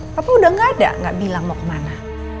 papa udah gak ada nggak bilang mau kemana